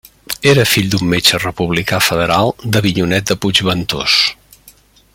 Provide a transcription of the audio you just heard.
Era fill d'un metge republicà federal d'Avinyonet de Puigventós.